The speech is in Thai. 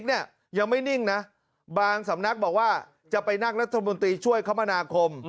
เนี่ยยังไม่นิ่งนะบางสำนักบอกว่าจะไปนั่งรัฐมนตรีช่วยคมนาคม